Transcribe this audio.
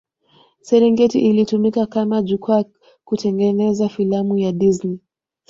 Serengeti ilitumika kama jukwaa kutengeneza filamu ya Disney